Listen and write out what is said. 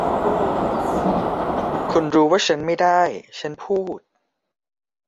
คุณรู้ว่าฉันไม่ได้ ฉันพูด